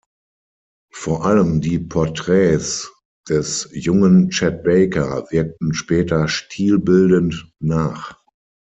Vor allem die Portraits des jungen Chet Baker wirkten später stilbildend nach.